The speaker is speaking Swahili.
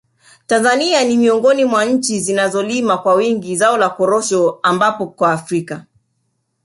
Tanzania ni miongoni mwa nchi zinazolima kwa wingi zao la korosho ambapo kwa Afrika